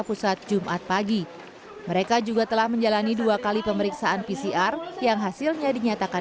pusat jumat pagi mereka juga telah menjalani dua kali pemeriksaan pcr yang hasilnya dinyatakan